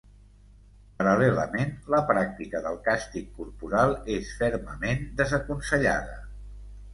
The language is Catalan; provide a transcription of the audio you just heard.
Paral·lelament, la pràctica del càstig corporal és fermament desaconsellada.